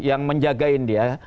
yang menjagain dia